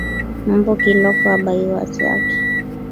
Mambo kiloko abaiwazaki